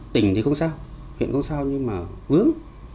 tỉnh thì không sao huyện không sao nhưng mà vướng